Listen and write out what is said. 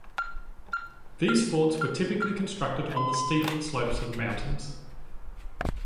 These forts were typically constructed on the steep slopes of mountains.